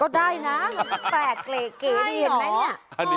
ก็ได้นะแปลกเก๋ดิเห็นไหมนี่